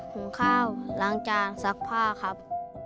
หุงข้าวล้างจานซักผ้าครับ